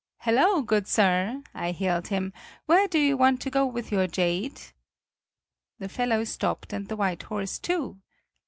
'Hallo, good sir,' I hailed him, 'where do you want to go with your jade?' "The fellow stopped, and the white horse, too.